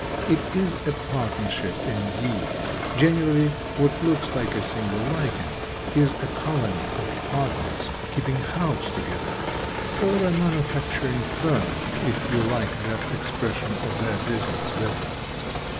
It is a partnership, indeed; generally what looks like a single Lichen is a colony of partners keeping house together, or a manufacturing firm, if you like that expression of their business better.